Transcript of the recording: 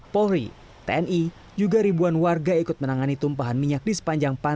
polri tni juga ribuan warga ikut menangani tumpahan minyak di sepanjang pantai